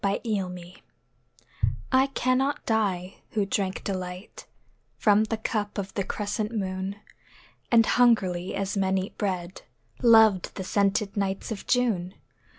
The Wine I cannot die, who drank delight From the cup of the crescent moon, And hungrily as men eat bread, Loved the scented nights of June.